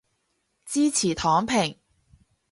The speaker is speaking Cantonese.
支持躺平